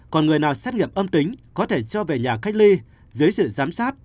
còn người nào xét nghiệm âm tính có thể cho về nhà cách ly dưới sự giám sát